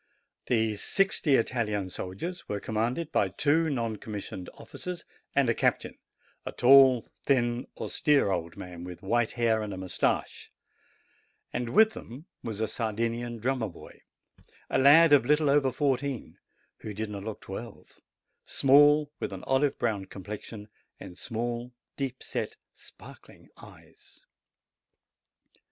The sixty Italian soldiers were commanded by two non commissioned officers and a captain, a tall, thin, austere old man, with white hair and moustache; and with them there was a Sardinian drummer boy, a lad of a little over fourteen, who did not look twelve, small, with an olive brown complexion, and small, deep set, sparkling eyes.